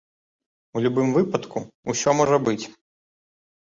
У любым выпадку, усё можа быць.